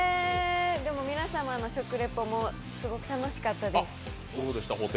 でも皆様の食レポもすごく楽しかったです。